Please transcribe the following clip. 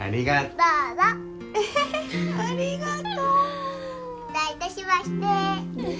どういたしまして。